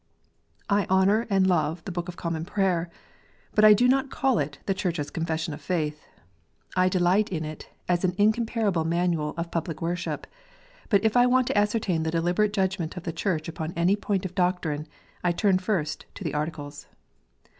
I honour and love the book of Common Prayer, but I do not call it the Church s Confession of faith. I delight in it as an incomparable manual of public worship, but if I want to ascertain the deliberate judgment of the Church upon any point of doctrine, I turn first to the Articles.